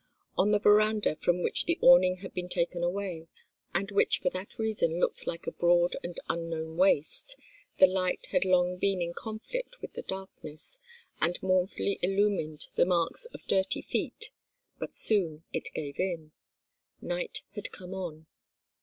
On the verandah, from which the awning had been taken away, and which for that reason looked like a broad and unknown waste, the light had long been in conflict with the darkness, and mournfully illumined the marks of dirty feet; but soon it gave in. Night had come on.